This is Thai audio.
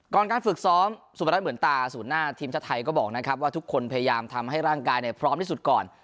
การฝึกซ้อมสุพรัชเหมือนตาศูนย์หน้าทีมชาติไทยก็บอกนะครับว่าทุกคนพยายามทำให้ร่างกายพร้อมที่สุดก่อน